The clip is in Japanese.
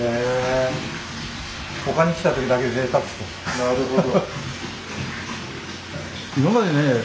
なるほど。